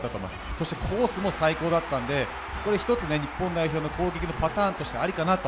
そしてコースも最高だったので１つ日本代表の攻撃のパターンとしてありかなと。